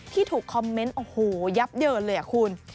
ที่ถูกคอมเมนต์โอ้โหยับเยอะเลยอ่ะคุณ